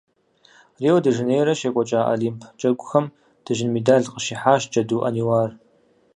Рио-де-Жанейрэ щекӀуэкӀа Олимп Джэгухэм дыжьын медаль къыщихьащ Джэду Ӏэниуар.